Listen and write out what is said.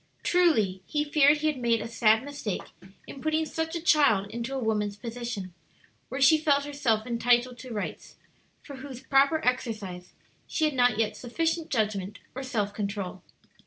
Truly, he feared he had made a sad mistake in putting such a child into a woman's position, where she felt herself entitled to rights, for whose proper exercise she had not yet sufficient judgment or self control.